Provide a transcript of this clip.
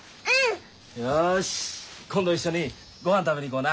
よし今度一緒にごはん食べに行こうな。